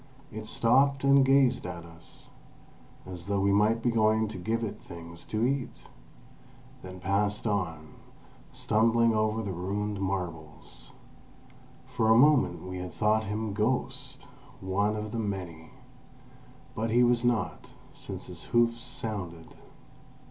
It stopped and gazed at us, as though we might be going to give it things to eat, then passed on, stumbling over the ruined marbles. For a moment we had thought him ghost—one of the many. But he was not, since his hoofs sounded.